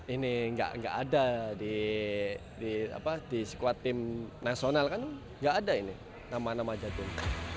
ini gak ada di sekuat tim nasional kan gak ada ini nama nama jatim